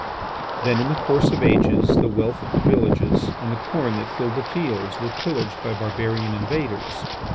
Then in the course of ages the wealth of the villages and the corn that filled the fields were pillaged by barbarian invaders.